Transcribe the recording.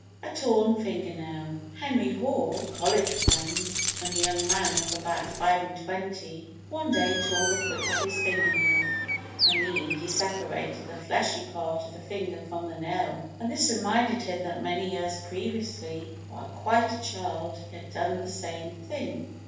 A Torn Finger Nail Henry Hoare [a college friend], when a young man of about five and twenty, one day tore the quick of his fingernail—I mean he separated the fleshy part of the finger from the nail—and this reminded him that many years previously, while quite a child, he had done the same thing.